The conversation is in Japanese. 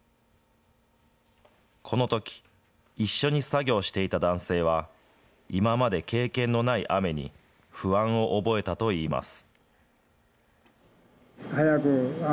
このとき、一緒に作業していた男性は、今まで経験のない雨に不安を覚えたといいます。